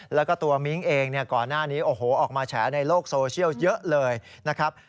แล้วก็ตัวมิ้งเองก่อนหน้านี้โอ้โหออกมาแฉในโลกโซเชียลเยอะเลยนะครับ